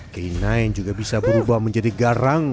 keinai juga bisa berubah menjadi garang